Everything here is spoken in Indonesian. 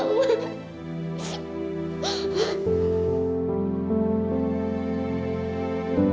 oma dia sudah selesai mandi ke sana